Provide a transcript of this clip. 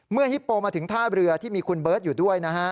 เมื่อฮิปโปมาถึงท่าบเรือที่มีคุณเบิร์ตอยู่ด้วย